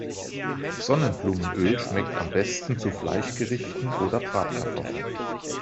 Sonnenblumenöl schmeckt am besten zu Fleischgerichten oder Bratkartoffeln.